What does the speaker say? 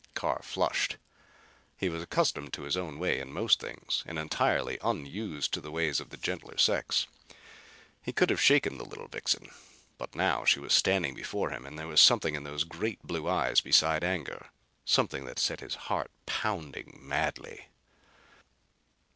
Carr flushed. He was accustomed to his own way in most things and entirely unused to the ways of the gentler sex. He could have shaken the little vixen! But now she was standing before him and there was something in those great blue eyes besides anger; something that set his heart pounding madly.